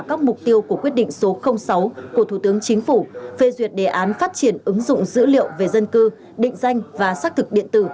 các mục tiêu của quyết định số sáu của thủ tướng chính phủ phê duyệt đề án phát triển ứng dụng dữ liệu về dân cư định danh và xác thực điện tử